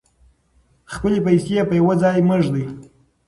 خپلې پیسې په یو ځای مه ږدئ.